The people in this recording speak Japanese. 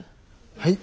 はい。